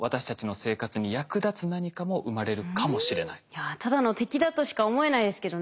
いやただの敵だとしか思えないですけどね。